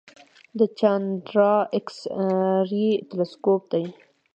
د چانډرا ایکس رې تلسکوپ دی.